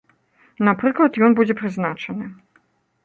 Напрыклад, ён будзе прызначаны.